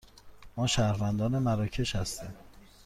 ما شهروندان مراکش هستیم.